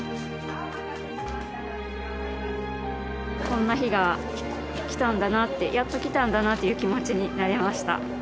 こんな日が来たんだなってやっと来たんだなっていう気持ちになれました。